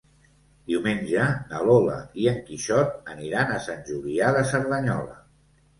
Diumenge na Lola i en Quixot aniran a Sant Julià de Cerdanyola.